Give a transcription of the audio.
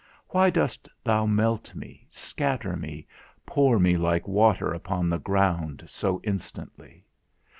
Why dost thou melt me, scatter me, pour me like water upon the ground so instantly?